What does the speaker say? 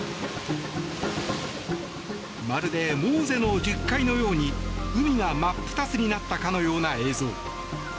まるでモーゼの十戒のように海が真っ二つになったかのような映像。